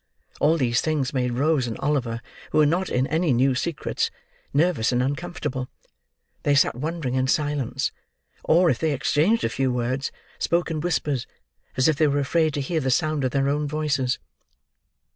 All these things made Rose and Oliver, who were not in any new secrets, nervous and uncomfortable. They sat wondering, in silence; or, if they exchanged a few words, spoke in whispers, as if they were afraid to hear the sound of their own voices.